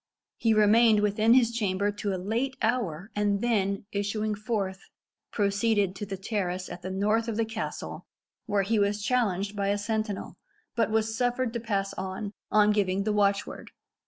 He remained within his chamber to a late hour, and then issuing forth, proceeded to the terrace at the north of the castle, where he was challenged by a sentinel, but was suffered to pass on, on giving the watch word.